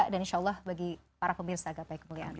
dan insya allah bagi para pemirsa gapai kemuliaan